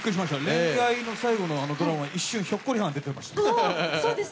恋愛の、あの最後のドラマ、ひょっこりはんが出てました。